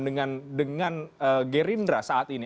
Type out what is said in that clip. dengan gerindra saat ini